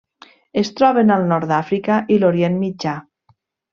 Es troben al nord d'Àfrica i l'Orient Mitjà.